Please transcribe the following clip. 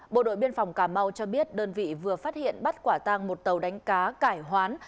bộ đội biên phòng cà mau cho biết đơn vị vừa phát hiện bắt quả tăng một tàu đánh cá cải hoán